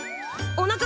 おなか？